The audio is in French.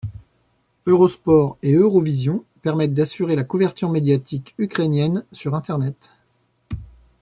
Eurosport et Eurovision permettent d'assurer la couverture médiatique ukrainienne sur Internet.